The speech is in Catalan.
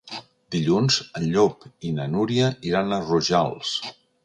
Dilluns en Llop i na Núria iran a Rojals.